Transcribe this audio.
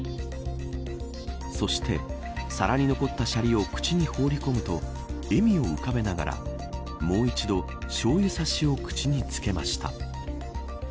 そして、皿に残ったしゃりを口に放り込むと笑みを浮かべながらもう一度しょうゆ差しを口につけました。